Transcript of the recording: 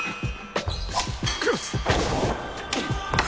クロス！